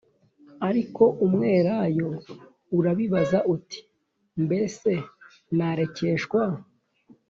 Ariko umwelayo urabibaza uti Mbese narekeshwa